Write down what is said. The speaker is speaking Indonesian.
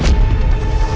ya udah aku nelfon